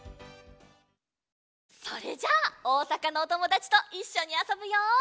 それじゃあおおさかのおともだちといっしょにあそぶよ！